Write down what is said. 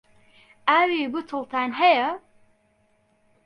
ئاوی بوتڵتان هەیە؟